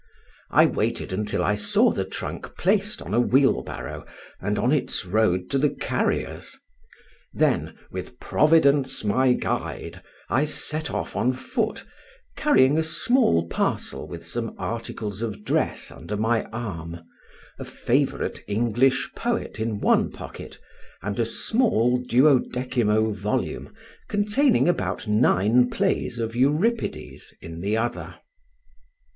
I waited until I saw the trunk placed on a wheelbarrow and on its road to the carrier's; then, "with Providence my guide," I set off on foot, carrying a small parcel with some articles of dress under my arm; a favourite English poet in one pocket, and a small 12mo volume, containing about nine plays of Euripides, in the other.